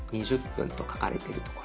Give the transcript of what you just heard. ２０分と書かれている所。